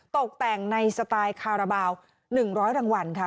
ตกแต่งในสไตล์คาราบาล๑๐๐รางวัลค่ะ